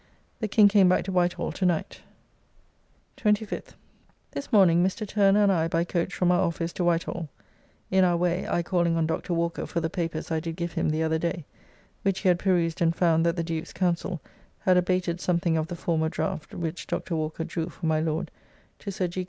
The King came back to Whitehall to night. 25th. This morning Mr. Turner and I by coach from our office to Whitehall (in our way I calling on Dr. Walker for the papers I did give him the other day, which he had perused and found that the Duke's counsel had abated something of the former draught which Dr. Walker drew for my Lord) to Sir G.